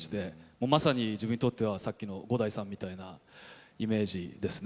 まさに自分にとってはさっきの五代さんみたいなイメージですね。